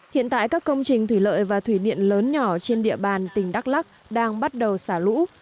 hiện tại các công trình thủy lợi và thủy điện lớn nhỏ trên địa bàn tỉnh đắk lắc đang bắt đầu xả lũ